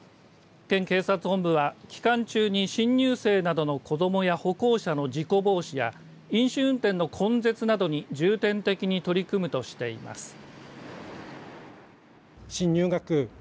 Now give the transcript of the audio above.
県警察本部は、期間中に新入生などの子どもや歩行者の事故防止や飲酒運転の根絶などに重点的に取り組むとしています。